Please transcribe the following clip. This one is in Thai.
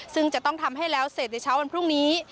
ซึ่งจะต้องทำให้แล้วเสร็จในเช้าวันพรุ่งนี้